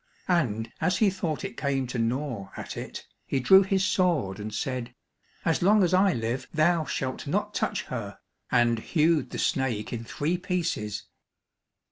And as he thought it came to gnaw at it, he drew his sword and said, "As long as I live, thou shalt not touch her," and hewed the snake in three pieces.